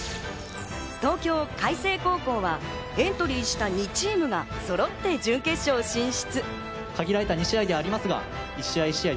東京・開成高校はエントリーした２チームがそろって準決勝進出。